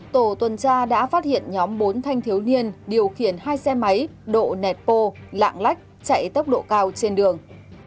tổ tuần tra đã phát hiện nhóm bốn thanh thiếu niên điều khiển hai xe máy độ nẹt bô lạng lách chạy tốc độ cao trên đường